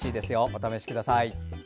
お試しください。